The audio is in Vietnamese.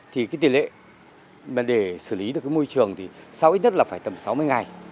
thì cái tiền lệ mà để xử lý được cái môi trường thì sau ít nhất là phải tầm sáu mươi ngày